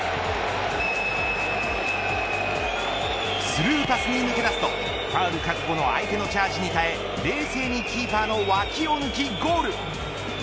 スルーパスに抜け出すとファウル覚悟の相手のチャージに耐え冷静にキーパーの脇を抜きゴール。